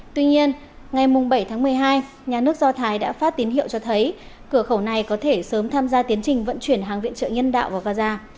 tuy nhiên ngày bảy tháng một mươi hai nhà nước do thái đã phát tín hiệu cho thấy cửa khẩu này có thể sớm tham gia tiến trình vận chuyển hàng viện trợ nhân đạo vào gaza